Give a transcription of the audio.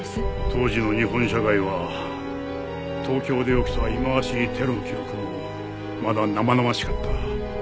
当時の日本社会は東京で起きた忌まわしいテロの記憶もまだ生々しかった。